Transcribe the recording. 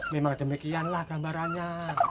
memang demikianlah gambarannya